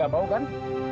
gak mau kan